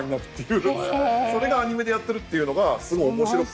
それがアニメでやってるっていうのがすごい面白くて。